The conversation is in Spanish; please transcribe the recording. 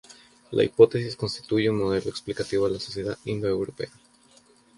La hipótesis constituye un modelo explicativo de la sociedad indoeuropea.